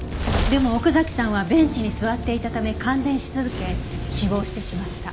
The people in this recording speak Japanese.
でも奥崎さんはベンチに座っていたため感電し続け死亡してしまった。